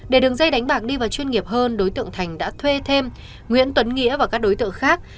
để đường dây đánh bạc đi vào chuyên nghiệp hơn đối tượng thành đã thuê thêm nguyễn tuấn nghĩa và các đối tượng khác